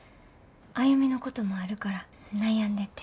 歩のこともあるから悩んでて。